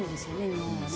日本はね。